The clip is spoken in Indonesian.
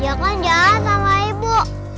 ya kan jalan sama ibu